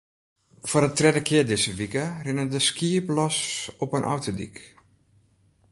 Foar de tredde kear dizze wike rinne der skiep los op in autodyk.